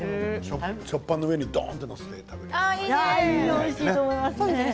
食パンの上にどんと載せて食べるとかね。